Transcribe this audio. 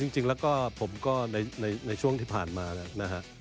คือจริงแล้วก็ผมก็ในช่วงที่ผ่านมานะครับ